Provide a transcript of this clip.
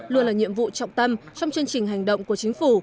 luôn là nhiệm vụ trọng tâm trong chương trình hành động của chính phủ